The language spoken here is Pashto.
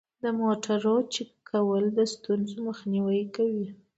د موټرو چک کول د ستونزو مخنیوی کوي.